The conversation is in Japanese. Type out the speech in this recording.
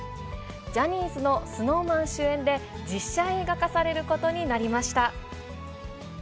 ジャニーズのＳｎｏｗＭａｎ主演で、実写映画化されることになりました。